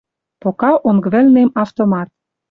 Пока онг вӹлнем автомат